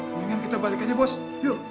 mendingan kita balik aja bos yuk